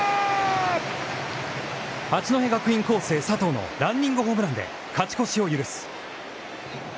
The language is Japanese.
八戸学院光星、佐藤のランニングホームランで勝ち越しを許す。